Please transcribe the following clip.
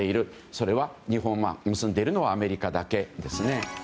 それを結んでいるのは日本はアメリカだけですね。